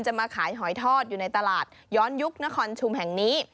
มาขายหอยทอดอยู่ในตลาดย้อนยุคนครชุมแห่งนี้